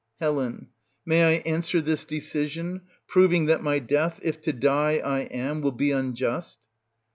Hel. May I answer this decision, proving that my death, if to die I am, will be unjust